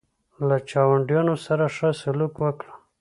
له چاونډیانو سره ښه سلوک وکړه.